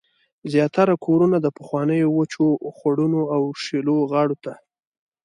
زیاتره کورونه د پخوانیو وچو خوړونو او شیلو غاړو ته